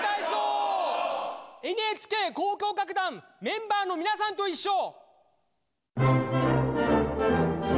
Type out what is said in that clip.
ＮＨＫ交響楽団メンバーのみなさんといっしょ！